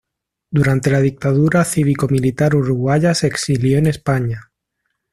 Durante la dictadura cívico-militar uruguaya se exilió en España.